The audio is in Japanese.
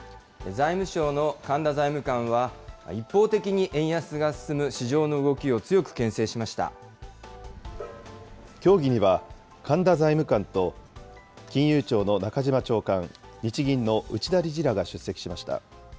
財務省の神田財務官は、一方的に円安が進む市場の動きを強く協議には、神田財務官と金融庁の中島長官、日銀の内田理事らが出席しました。